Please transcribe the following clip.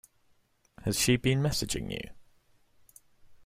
Has she been messaging you?